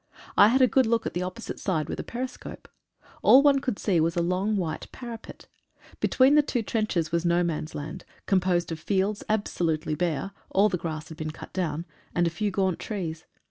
I had a good look at the opposite side with a periscope. All one could see was a long white parapet. Between the two trenches was No Man's Land — composed of fields absolutely bare (all the grass had been cut down) and a few gaunt trees.